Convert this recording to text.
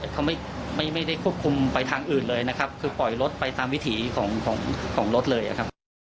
เขาไม่ได้ควบคุมไปทางอื่นเลยนะครับคือปล่อยรถไปตามวิถีของของรถเลยอะครับ